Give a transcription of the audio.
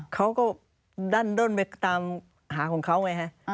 เขาก็ดั้นด้นไปตามหาของเขาไงฮะ